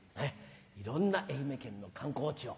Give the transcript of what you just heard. いろんな愛媛県の観光地を。